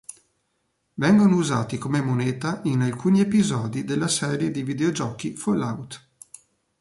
Vengono usati come moneta in alcuni episodi della serie di videogiochi Fallout.